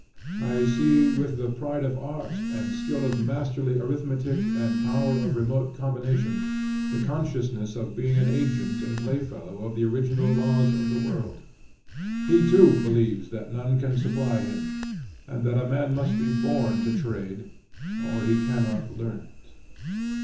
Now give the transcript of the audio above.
I see, with the pride of art and skill of masterly arithmetic and power of remote combination, the consciousness of being an agent and playfellow of the original laws of the world. He too believes that none can supply him, and that a man must be born to trade or he cannot learn it.